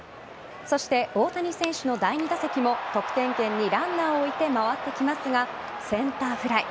そして大谷選手の第２打席も得点圏にランナーを置いて、回ってきますがセンターフライ。